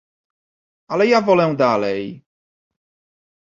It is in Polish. "Ale ja wolę dalej..."